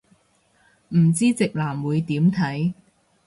唔知直男會點睇